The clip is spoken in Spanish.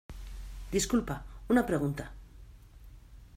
disculpa, una pregunta